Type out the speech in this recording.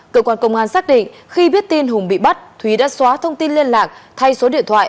cơ quan công an xác định khi biết tin hùng bị bắt thúy đã xóa thông tin liên lạc thay số điện thoại